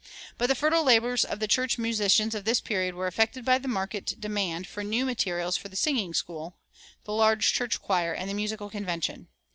But the fertile labors of the church musicians of this period were affected by the market demand for new material for the singing school, the large church choir, and the musical convention.